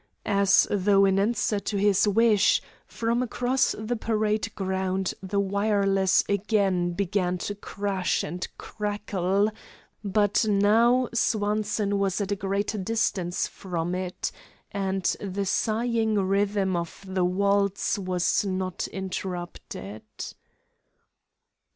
As though in answer to his wish, from across the parade ground the wireless again began to crash and crackle; but now Swanson was at a greater distance from it, and the sighing rhythm of the waltz was not interrupted.